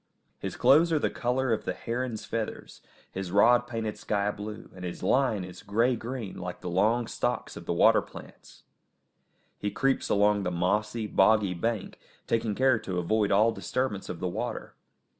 His clothes are the colour of the heron's feathers, his rod painted sky blue, and his line is grey green like the long stalks of the water plants. He creeps along the mossy, boggy bank, taking care to avoid all disturbance of the water.